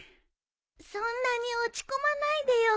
そんなに落ち込まないでよ。